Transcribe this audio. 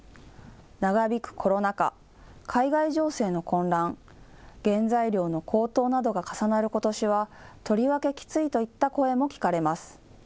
長引くコロナ禍、海外情勢の混乱、原材料の高騰などが重なることしは、とりわけきついといった声も聞かれます。